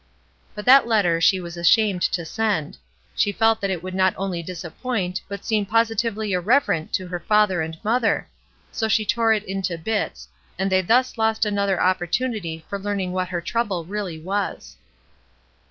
''' But that letter she was ashamed to send; she felt that it would not only disappoint but seem positively irreverent to her father and mother; so she tore it into bits, and they thus lost an other opportunity for learning what her trouble really was.